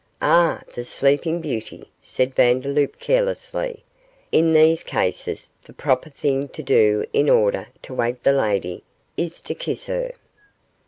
'Ah! the sleeping beauty,' said Vandeloup, carelessly; 'in these cases the proper thing to do in order to wake the lady is to kiss her.